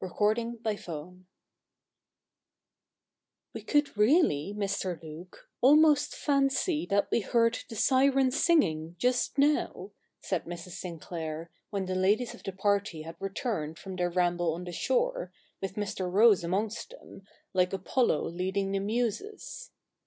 CHAPTER II ' We could really, Mr. Luke, almost fancy that we heard the Sirens singing, just now,' said Mrs. Sinclair, when the ladies of the party had returned from their ramble on the shore, with Mr. Rose amongst them, like Apollo leading the Muses.